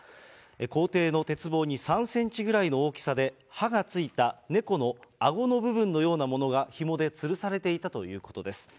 校庭の鉄棒に３センチぐらいの大きさで、歯がついた猫のあごの部分のようなものが、ひもでつるされていたということです。